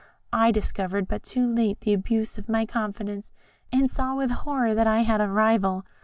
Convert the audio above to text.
I discovered but too late the abuse of my confidence, and saw with horror that I had a rival.